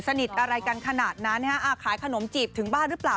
สนิทอะไรกันขนาดนั้นขายขนมจีบถึงบ้านหรือเปล่า